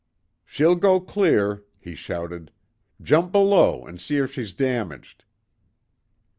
"She'll go clear," he shouted, "Jump below and see if she's damaged."